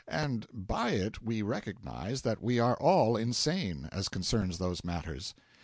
And by it we recognise that we are all insane, as concerns those matters.